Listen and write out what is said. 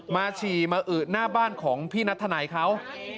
ฉี่มาอึหน้าบ้านของพี่นัทธนัยเขา